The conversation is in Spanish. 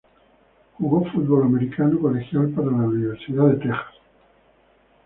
Jugó fútbol americano colegial para la Universidad de Texas.